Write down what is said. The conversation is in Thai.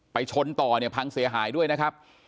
ไปชนต่อพังเสียหายด้วยนะครับ